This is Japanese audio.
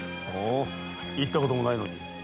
ほう行ったこともないのに。